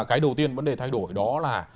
cái đầu tiên vấn đề thay đổi đó là